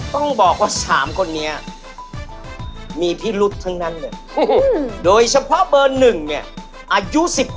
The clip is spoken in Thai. ถ้าไม่ไว้ใจที่สุดน่าจะเป็นหมายเลข๑